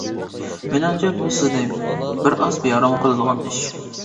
مېنىڭچە بۇ سىزنى بىرئاز بىئارام قىلىدىغان ئىش.